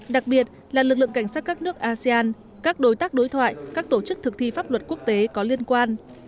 đặc biệt là lực lượng cảnh sát các nước asean các đối tác đối thoại các tổ chức thực thi pháp luật quốc tế có liên quan